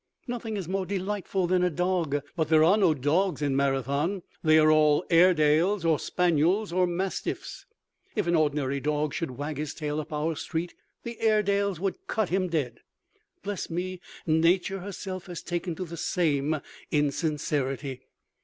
Nothing is more delightful than a dog; but there are no dogs in Marathon. They are all airedales or spaniels or mastiffs. If an ordinary dog should wag his tail up our street the airedales would cut him dead. Bless me, Nature herself has taken to the same insincerity.